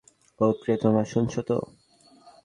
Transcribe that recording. ও প্রিয়তমা, শুনছো তো?